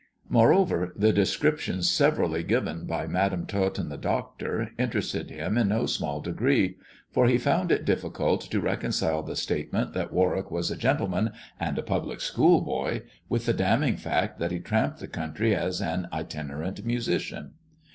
Moreover, the descriptions severally given by Madam Tot and the doctor interested him in no small degree ; for. he found it difficult to reconcile the statement that Warwick was a gentleman, and a public school boy, with the damning fact that he tramped the country as an itinerant musician.